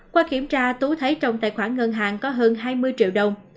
qua kiểm tra tú thấy trong tài khoản ngân hàng có hơn hai mươi triệu đồng